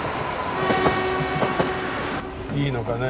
いいのかね